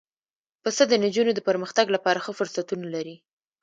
پسه د نجونو د پرمختګ لپاره ښه فرصتونه لري.